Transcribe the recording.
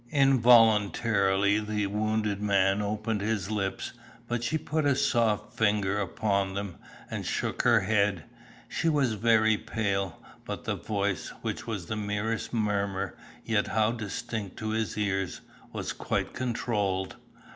Involuntarily the wounded man opened his lips, but she put a soft finger upon them, and shook her head. She was very pale, but the voice, which was the merest murmur, yet how distinct to his ears, was quite controlled.